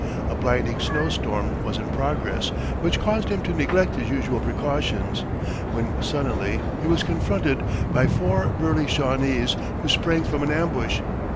A blinding snow storm was in progress, which caused him to neglect his usual precautions, when suddenly he was confronted by four burly Shawnese, who sprang from an ambush.